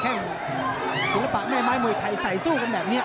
แค่งลิฟท์แม่ไม้มวยไทยสายสู้กันแบบนี้